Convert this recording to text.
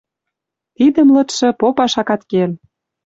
Тидӹм, лыдшы, попаш акат кел.